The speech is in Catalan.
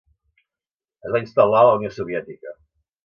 Es va instal·lar a la Unió Soviètica.